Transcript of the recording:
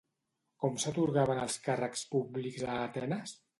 Com s'atorgaven els càrrecs públics a Atenes?